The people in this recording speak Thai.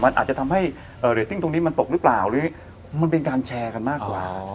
มันอาจจะทำให้เรตติ้งตรงนี้มันตกหรือเปล่าหรือมันเป็นการแชร์กันมากกว่า